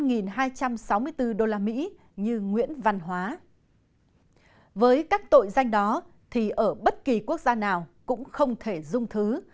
năm hai trăm sáu mươi bốn usd như nguyễn văn hóa với các tội danh đó thì ở bất kỳ quốc gia nào cũng không thể dung thứ